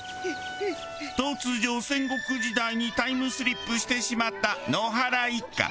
突如戦国時代にタイムスリップしてしまった野原一家。